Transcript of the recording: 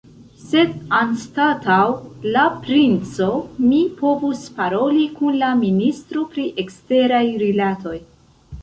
Sed anstataŭ la princo, mi povus paroli kun la ministro pri eksteraj rilatoj.